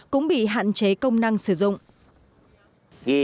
cũng bị hạn chế công năng sử dụng